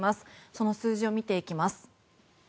その数字を見ていきます。